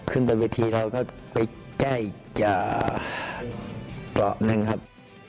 ขึ้นแต่วิธีเราก็ไปแก้อีกเกราะหนึ่งครับ